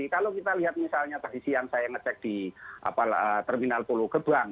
kalau kita lihat misalnya posisi yang saya ngecek di terminal sepuluh gebang